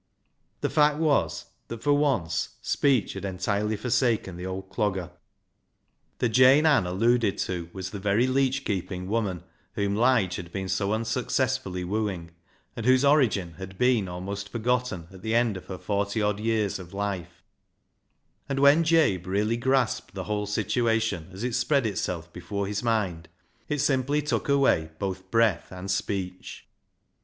The fact was that, for once, speech had entirely forsaken the old Clogger. The Jane Ann alluded to was the very leech keeping woman whom Lige had been so unsuccessfully wooing, and whose origin had been almost forgotten at the end of her forty odd years of life ; and when Jabe really grasped the whole situation as it spread itself before his mind, it simply took away both breath and speech.